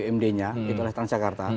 bmd nya di transjakarta